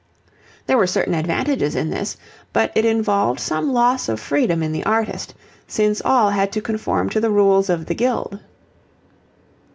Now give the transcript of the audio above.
There were certain advantages in this, but it involved some loss of freedom in the artist, since all had to conform to the rules of the guild.